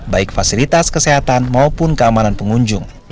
baik fasilitas kesehatan maupun keamanan pengunjung